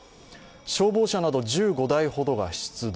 消防車など１５台ほどが出動。